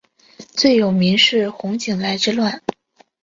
最有名是洪景来之乱。